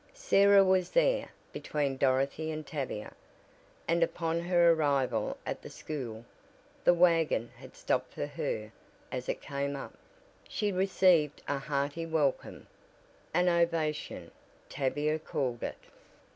Sarah was there, between Dorothy and Tavia, and upon her arrival at the school (the wagon had stopped for her as it came up) she received a hearty welcome an ovation, Tavia called it.